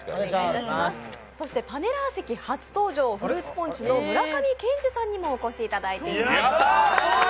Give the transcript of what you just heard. そしてパネラー席初登場、フルーツポンチの村上健志さんにもお越しいただきました。